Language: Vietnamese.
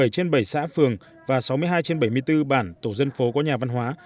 bảy trên bảy xã phường và sáu mươi hai trên bảy mươi bốn bản tổ dân phố có nhà văn hóa